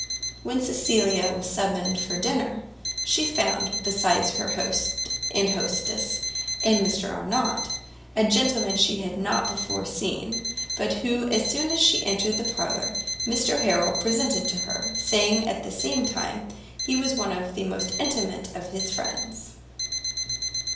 When Cecilia was summoned to dinner, she found, besides her host and hostess and Mr Arnott, a gentleman she had not before seen, but who as soon as she entered the parlour, Mr Harrel presented to her, saying at the same time he was one of the most intimate of his friends.